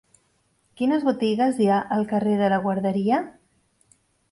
Quines botigues hi ha al carrer de la Guarderia?